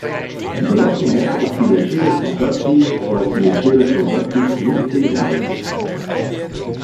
Belasting heffen op financiële transacties zal financiële transacties niet tegenhouden.